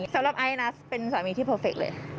สำหรับไอ้นะเป็นสามีที่เพอร์เฟคเลย